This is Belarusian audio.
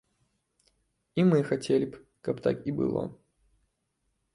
І мы хацелі б, каб так і было.